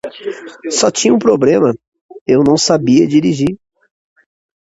Só tinha um problema, eu não sabia dirigir.